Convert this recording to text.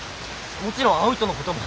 もちろん葵とのことも。